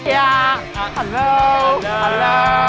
ฮัลโหล